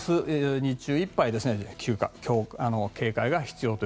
日中いっぱいは警戒が必要です。